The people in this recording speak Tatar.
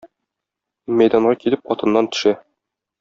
Мәйданга килеп атыннан төшә.